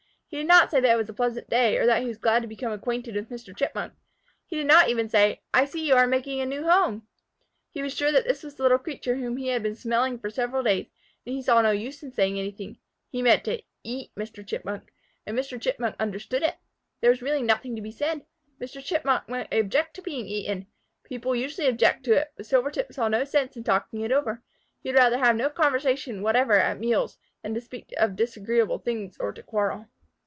He did not say that it was a pleasant day, or that he was glad to become acquainted with Mr. Chipmunk. He did not even say, "I see you are making a new home!" He was sure this was the little creature whom he had been smelling for several days, and he saw no use in saying anything. He meant to eat Mr. Chipmunk, and Mr. Chipmunk understood it. There was really nothing to be said. Mr. Chipmunk might object to being eaten. People usually did object to it, but Silvertip saw no sense in talking it over. He would rather have no conversation whatever at meals than to speak of disagreeable things or to quarrel.